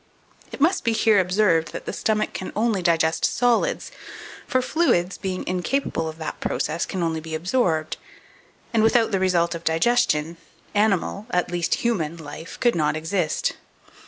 It must be here observed that the stomach can only digest solids, for fluids, being incapable of that process, can only be absorbed; and without the result of digestion, animal, at least human life, could not exist.